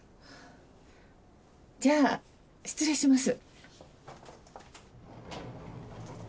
じゃあ失礼します。